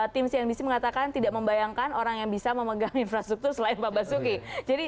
tim cnbc mengatakan tidak membayangkan orang yang bisa memegang infrastruktur selain pak basuki